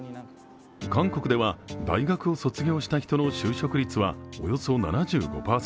韓国では、大学を卒業した人の就職率はおよそ７５％。